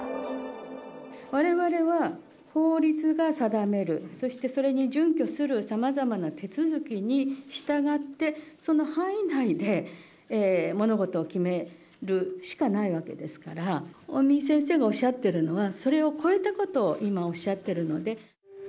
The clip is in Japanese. われわれは、法律が定める、そしてそれに準拠するさまざまな手続きに従って、その範囲内で物事を決めるしかないわけですから、尾身先生がおっしゃってるのは、それを超えたことを、今おっしゃってるので。